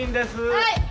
はい。